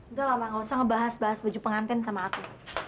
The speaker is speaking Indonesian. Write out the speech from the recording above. udah lama gak usah ngebahas bahas baju pengantin sama aku